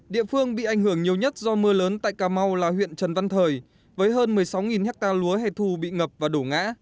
địa phương bị ảnh hưởng nhiều nhất do mưa lớn tại cà mau là huyện trần văn thời với hơn một mươi sáu ha lúa hẻ thù bị ngập và đổ ngã